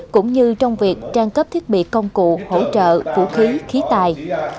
cũng như trong việc trang cấp thiết bị công cụ hỗ trợ vũ khí khí tài